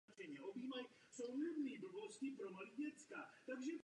Skupina se zformovala původně jako militantní křídlo Svazu islámských soudů.